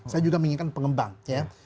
saya juga menginginkan pengembang ya